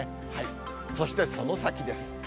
そして、その先です。